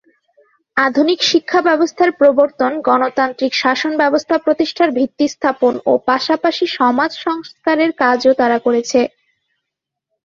আধুনিক শিক্ষাব্যবস্থার প্রবর্তন, গণতান্ত্রিক শাসনব্যবস্থা প্রতিষ্ঠার ভিত্তি স্থাপন ও পাশাপাশি সমাজ সংস্কারের কাজও তারা করেছে।